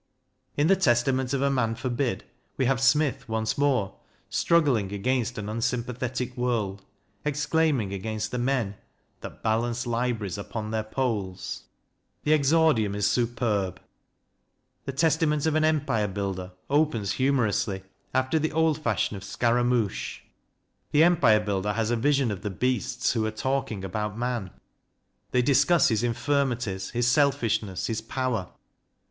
In the "Testament of a Man Forbid " we have Smith once more, struggling against an unsympathetic world, exclaiming against the men That balance libraries upon their polls. The exordium is superb. " The Testament of an Empire Builder " opens humorously after the old fashion of " Scaramouch.' The Empire Builder has a vision of the beasts, who 202 CRITICAL STUDIES are talking about man. They discuss his infirmities, his selfishness, his power.